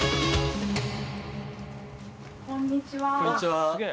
こんにちは！